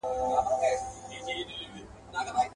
ته لېونۍ خو نه یې؟.